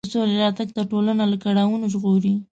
د سولې راتګ ټولنه له کړاوونو ژغوري.